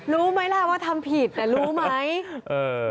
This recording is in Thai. รู้ไหมล่ะว่าทำผิดแต่รู้ไหมเออ